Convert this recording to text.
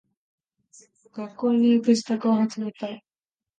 学校に行く支度を始めた。